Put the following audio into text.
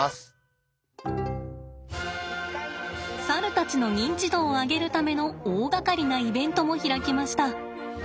猿たちの認知度を上げるための大がかりなイベントも開きました。